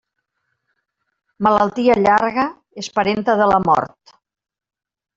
Malaltia llarga és parenta de la mort.